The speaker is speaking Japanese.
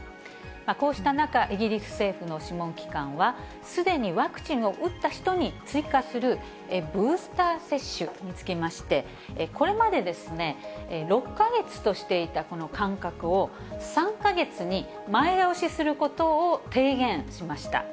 こうした中、イギリス政府の諮問機関は、すでにワクチンを打った人に追加するブースター接種につきまして、これまで６か月としていたこの間隔を、３か月に前倒しすることを提言しました。